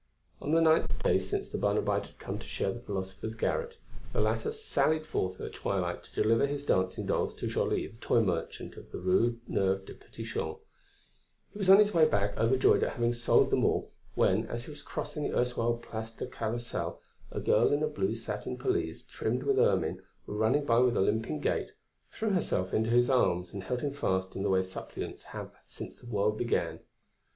On the ninth day since the Barnabite had come to share the philosopher's garret, the latter sallied forth at twilight to deliver his dancing dolls to Joly, the toy merchant of the Rue Neuve des Petits Champs. He was on his way back overjoyed at having sold them all, when, as he was crossing the erstwhile Place du Carrousel, a girl in a blue satin pelisse trimmed with ermine, running by with a limping gait, threw herself into his arms and held him fast in the way suppliants have had since the world began.